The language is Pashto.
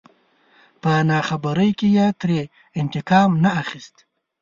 په ناخبرۍ کې يې ترې انتقام نه اخست.